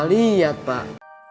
ketika di rumah